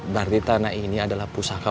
berarti tanah ini adalah pusaka